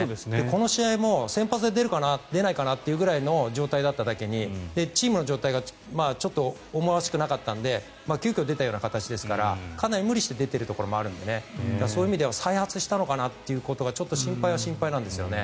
この試合も先発で出るかな出ないかなというぐらいの状態だっただけにチームの状態がちょっと思わしくなかったので急きょ出た形ですからかなり無理して出ているところもあるのでそういう意味では再発したのかなというのがちょっと心配は心配なんですよね。